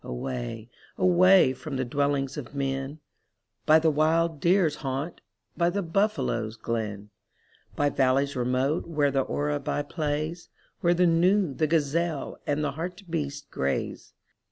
Away — away from the dwellings of men, By the wild deer's haunt, by the buffalo's glen; By valleys remote where the oribi plays. Where the gnu, the gazelle, and the hartebeest graze.